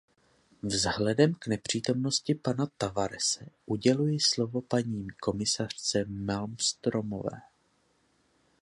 Vzhledem k nepřítomnosti pana Tavarese uděluji slovo paní komisařce Malmströmové.